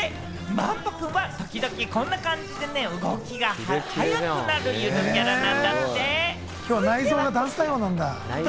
漫宝くんは時々、こんな感じで動きが速くなるゆるキャラなんだって。